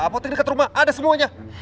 apotek dekat rumah ada semuanya